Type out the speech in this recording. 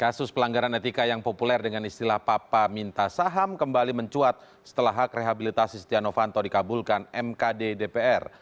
kasus pelanggaran etika yang populer dengan istilah papa minta saham kembali mencuat setelah hak rehabilitasi stiano fanto dikabulkan mkd dpr